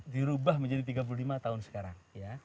dirubah menjadi tiga puluh lima tahun sekarang